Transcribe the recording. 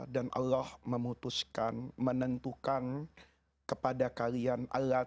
dan allah memutuskan menentukan kepada kalian